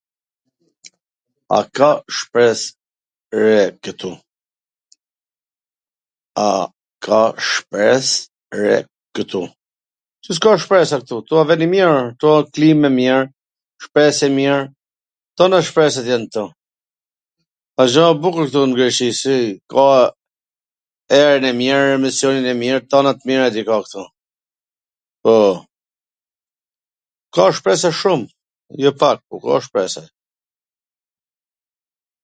A ka shpres [shpesh] re kwtu? Si s ka shpresa ktu? Ktu a ven i mir, ktu a klim e mir, shpres e mir, tona shpresat jan ktu, asht gja e bukur ktu n Greqi si ka erwn e mir, misionin e mir, tanat t mirat i ka ktu, po. Ka shpresa shum. Jo pak, po ka shpresa.